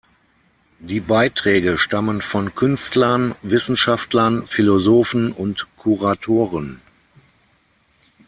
Die Beiträge stammen von Künstler, Wissenschaftler, Philosophen und Kuratoren.